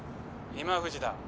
今藤だ